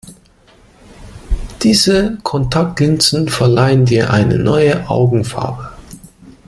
Diese Kontaktlinsen verleihen dir eine neue Augenfarbe.